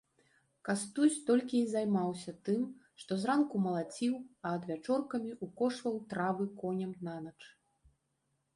Кастусь толькі і займаўся тым, што зранку малаціў, а адвячоркамі ўкошваў травы коням нанач.